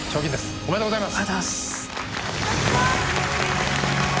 ありがとうございます。